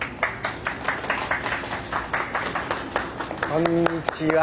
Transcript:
こんにちは。